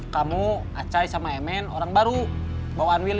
kamu acai sama emen orang baru bawaan willy